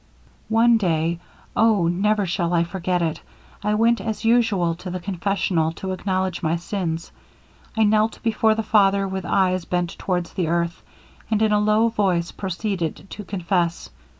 'One day, Oh! never shall I forget it, I went as usual to the confessional to acknowledge my sins. I knelt before the father with eyes bent towards the earth, and in a low voice proceeded to confess.